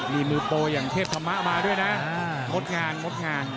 มีมือโปรอย่างเทพธรรมะมาด้วยนะงดงานงดงาม